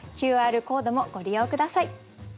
ＱＲコードもご利用下さい。